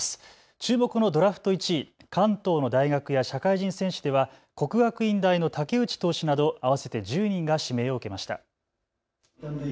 注目のドラフト１位、関東の大学や社会人選手では国学院大の武内投手など合わせて１０人が指名を受けました。